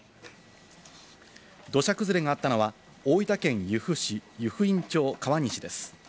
土砂崩れがあったのは大分県由布市湯布院町川西です。